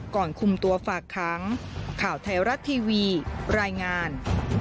ก่อนคุมตัวฝากค้างข่าวไทยรัฐทีวีรายงาน